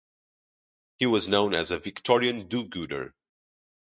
He was known as a 'Victorian do-gooder'.